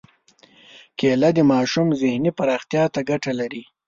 کېله د ماشوم ذهني پراختیا ته ګټه لري.